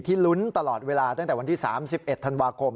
ลุ้นตลอดเวลาตั้งแต่วันที่๓๑ธันวาคม